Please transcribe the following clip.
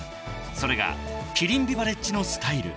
［それがキリンビバレッジのスタイル］